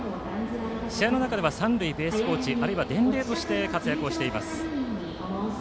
試合の中では三塁ベースコーチあるいは伝令として活躍しています。